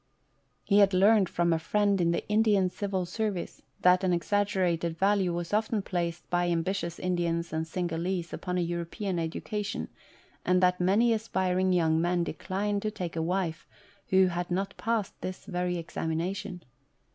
He had learned from a friend in the Indian Civil Service that an exaggerated value was often placed by ambitious Indians and Cingalese upon a European education, and that many aspiring young men declined to take a wife who had not passed this very examination.